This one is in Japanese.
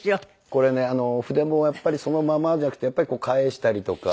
これね筆もやっぱりそのままじゃなくて返したりとか。